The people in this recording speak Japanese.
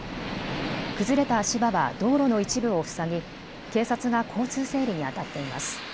崩れた足場は道路の一部を塞ぎ警察が交通整理にあたっています。